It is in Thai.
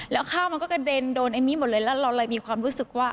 แล้วข้าวมันก็กระเด็นโดนเอมมี่หมดเลยแล้วเราเลยมีความรู้สึกว่า